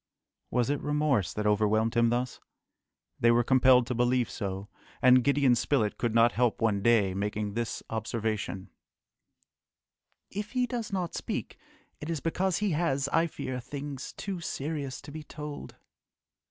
Was it remorse that overwhelmed him thus? They were compelled to believe so, and Gideon Spilett could not help one day making this observation, "If he does not speak it is because he has, I fear, things too serious to be told!"